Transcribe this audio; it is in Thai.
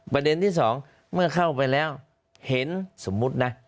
ประเด็นที่สองเมื่อเข้าไปแล้วเห็นสมมุตินะ